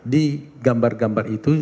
di gambar gambar itu